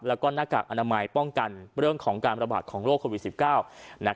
แล้วก็หน้ากากอนามัยป้องกันเรื่องของการประบาดของโรคโควิด๑๙